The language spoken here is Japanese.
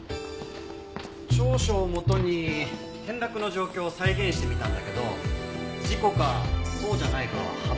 調書をもとに転落の状況を再現してみたんだけど事故かそうじゃないかは判別できなかったよ。